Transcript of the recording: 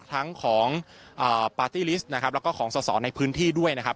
ทั้งของอ่านะครับแล้วก็ของสอบสอบในพื้นที่ด้วยนะครับ